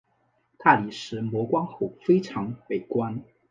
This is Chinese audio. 大理石磨光后非常美观。